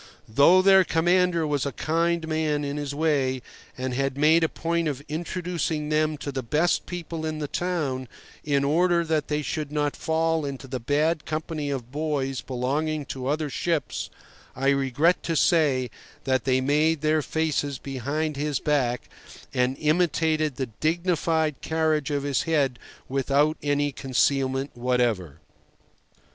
Though their commander was a kind man in his way, and had made a point of introducing them to the best people in the town in order that they should not fall into the bad company of boys belonging to other ships, I regret to say that they made faces at him behind his back, and imitated the dignified carriage of his head without any concealment whatever.